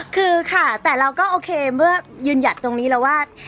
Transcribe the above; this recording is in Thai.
คือค่ะแต่เราก็โอเคเมื่อยืนหยัดตรงนี้แล้วว่า